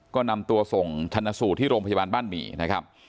ก็นำตัวส่งชนสูตรที่โรงพยาบาลบ้านหมี่นะครับ